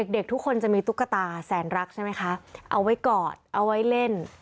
เด็กทุกคนจะมีตุ๊กตาแสนรักใช่ไหมคะเอาไว้กอดเอาไว้เล่น